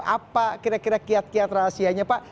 apa kira kira kiat kiat rahasianya pak